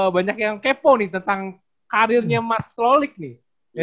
banyak yang kepo nih tentang karirnya mas trolik nih